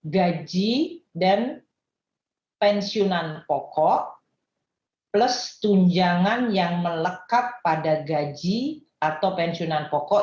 gaji dan pensiunan pokok plus tunjangan yang melekat pada gaji atau pensiunan pokok